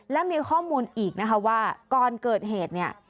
และมีข้อมูลอีกนะคะว่าก่อนเกิดเหตุเนี่ย